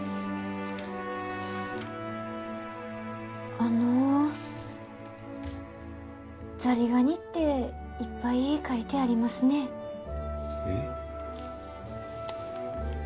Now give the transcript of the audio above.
あのザリガニっていっぱい書いてありますねえッ？